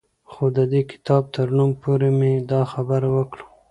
خو د دې کتاب تر نوم پورې مې دا خبره وکړه